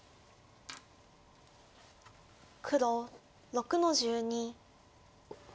黒６の十二。